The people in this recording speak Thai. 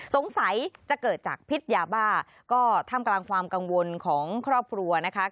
สงสัยจะเกิดจากพิษยาบ้าก็ท่ามกลางความกังวลของครอบครัวนะคะ